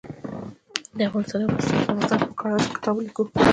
د افغانستان د اقتصادي پرمختګ لپاره پکار ده چې کتاب ولیکو.